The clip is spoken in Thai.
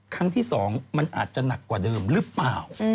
ครั้งที่๒มันอาจจะหนักกว่าเดิมหรือเปล่า